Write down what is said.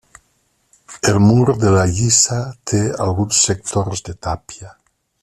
El mur de la lliça té alguns sectors de tàpia.